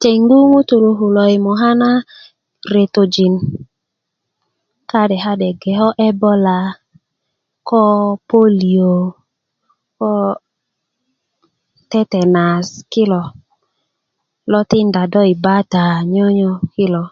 tengu ŋutu kulo i moka na retöjin ka'de ka'de bge ko ebola ko poliö ko tetenus kilo lo tinda do i bata nyonyo kilo